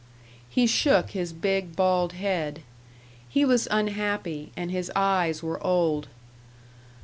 He shook his big, bald head. He was unhappy and his eyes were old.